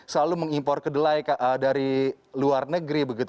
selalu mengimpor kedelai dari luar negeri begitu